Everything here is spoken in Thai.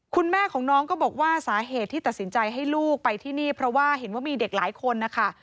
คุณแม่ของน้องก็บอกว่าสาเหตุที่ตัดสินใจให้ลูกไปที่นี่เพราะว่าเห็นว่ามีเด็กหลายคนนะคะ